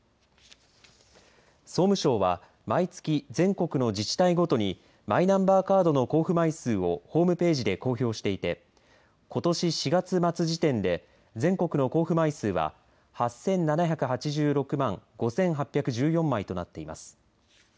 総務省は毎月全国の自治体ごとにマイナンバーカードの交付枚数をホームページで公表していてことし４月末時点で全国の交付枚数は８７８６万５８１４枚となっています。